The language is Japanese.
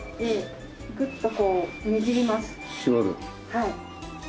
はい。